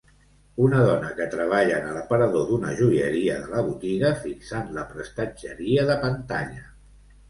una dona que treballa en el aparador d'una joieria de la botiga fixant la prestatgeria de pantalla